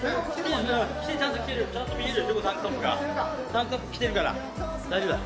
タンクトップ着てるから大丈夫だ。